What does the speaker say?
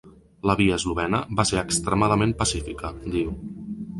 La via eslovena va ser extremadament pacífica, diu.